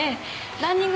ランニング？